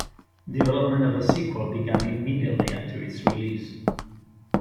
Development of a sequel began immediately after its release.